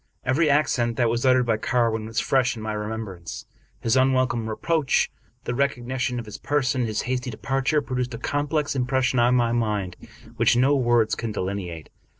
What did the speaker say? Every accent that was uttered by Carwin was fresh in my remembrance. His un welcome approach, the recognition of his person, his hasty 263 American Mystery Stories departure, produced a complex impression on my mind which no words can delineate.